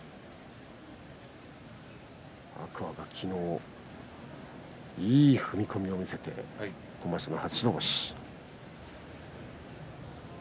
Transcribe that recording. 天空海が昨日いい踏み込みを見せて今場所の初白星。